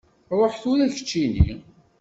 Ruḥ tura keččini!